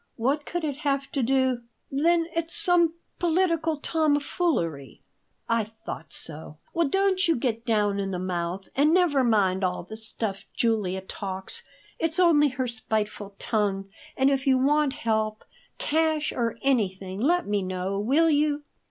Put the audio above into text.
What could it have to do " "Then it's some political tomfoolery? I thought so. Well, don't you get down in the mouth and never mind all the stuff Julia talks. It's only her spiteful tongue; and if you want help, cash, or anything, let me know, will you?"